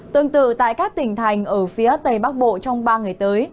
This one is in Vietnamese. tương tự tại các tỉnh thành ở phía tây bắc bộ trong ba ngày tới